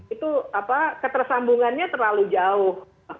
itu ketersambungannya terlalu jauh